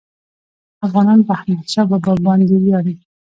افغانان په احمدشاه بابا باندي ویاړي.